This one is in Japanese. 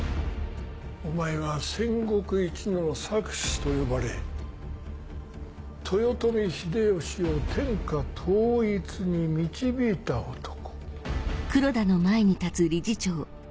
お前は戦国いちの策士と呼ばれ豊臣秀吉を天下統一に導いた男。